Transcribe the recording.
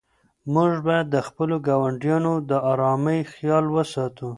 موږ باید د خپلو ګاونډیانو د آرامۍ خیال وساتو.